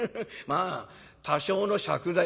まあ多少の借財」。